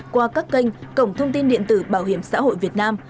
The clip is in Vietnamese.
qua các kênh cổng thông tin điện tử bảo hiểm xã hội việt nam